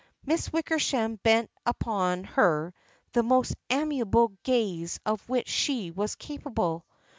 Miss Wickersham bent upon her the most amiable gaze of which she was capable.